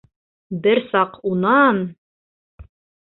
Бер саҡ унан: